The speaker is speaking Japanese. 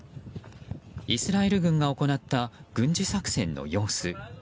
イスラエル軍が行った軍事作戦の様子。